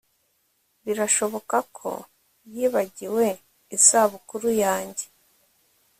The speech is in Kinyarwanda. Birashoboka ko yibagiwe isabukuru yanjye